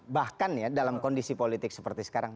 bahkan ya dalam kondisi politik seperti sekarang